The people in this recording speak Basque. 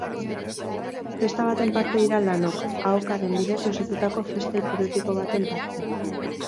Festa baten parte dira lanok, ahokaden bidez osatutako festa hipotetiko baten parte.